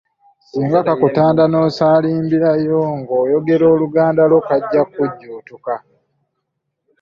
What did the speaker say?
Singa kakutanda n’osaalimbirayo ng’oyogera Oluganda lwo kajja kukujjuutuka.